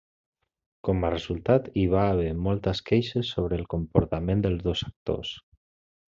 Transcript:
Com a resultat hi va haver moltes queixes sobre el comportament dels dos actors.